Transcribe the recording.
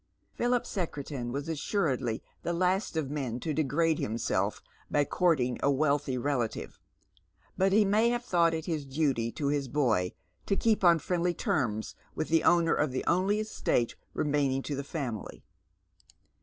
Philip Secretan was assuredly the last of men to degrade himself by courting a v>^calthy relative, but he may have thought it his duty to his boy to keep on friendly terms with the owner of the only estate remaining to th€ family.